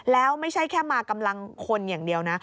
แล้วไม่ใช่แค่มากำลังคนอย่างเดียวนะ